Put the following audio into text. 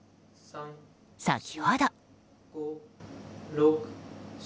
先ほど。